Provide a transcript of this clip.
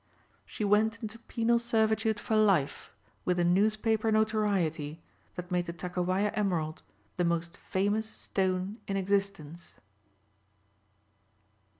She went into penal servitude for life with a newspaper notoriety that made the Takowaja emerald the most famous stone in existence.